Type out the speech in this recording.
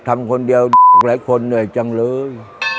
ทำคนเดียวหลายคนเหนื่อยจังเลย